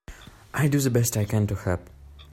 I do the best I can to help.